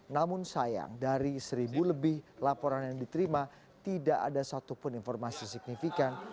namun sayang dari seribu lebih laporan yang diterima tidak ada satupun informasi signifikan